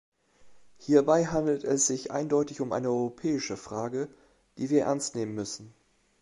Hierbei handelt es sich eindeutig um eine europäische Frage, die wir ernst nehmen müssen.